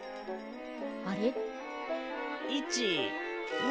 あれ？